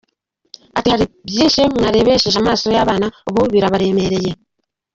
Ati “Hari byinshi mwarebesheje amaso y’abana, ubu bibaremereye.